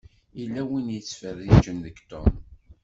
Yella win i yettfeṛṛiǧen deg Tom.